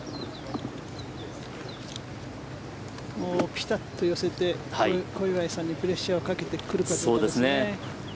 ピタっと寄せて小祝さんにプレッシャーをかけてくるかですね。